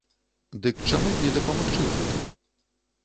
Дык чаму б не дапамагчы ў гэтым?